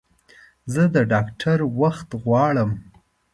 زه د ډاکټر وخت غواړم